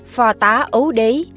phò tá ấu đế